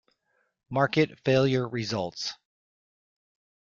Market failure results.